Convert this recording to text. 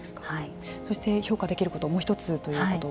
そして、評価できることもう１つということは。